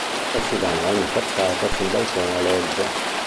Essi danno ogni facciata su un balcone a loggia.